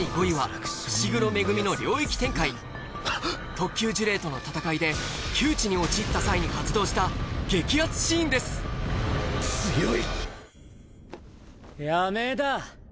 特級呪霊との戦いで窮地に陥った際に発動した激アツシーンですやめだ。